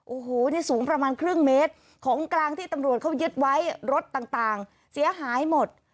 โอ้โหนี่สูงประมาณครึ่งเมตรของกลางที่ตำรวจเขายึดไว้รถต่างเสียหายหมด